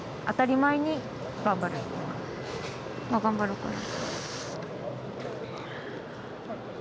まあ頑張ろうかな。